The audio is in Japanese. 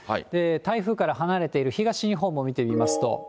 台風から離れている東日本も見てみますと。